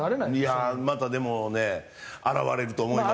またでもね現れると思いますよ。